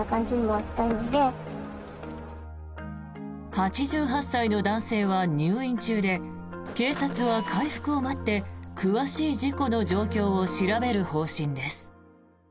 ８８歳の男性は入院中で警察は回復を待って詳しい事故の状況を調べる方針です。